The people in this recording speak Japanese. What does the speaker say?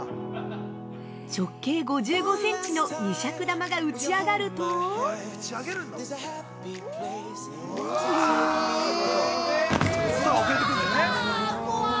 ◆直径５５センチの二尺玉が打ち上がると◆うわーっ！